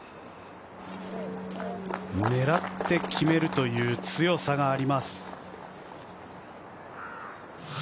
狙って決めるという強さがあります。